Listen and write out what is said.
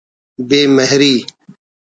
بے مہری